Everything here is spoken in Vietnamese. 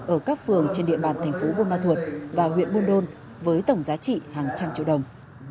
ở các phường trên địa bàn thành phố buôn ma thuột và huyện buôn đôn với tổng giá trị hàng trăm triệu đồng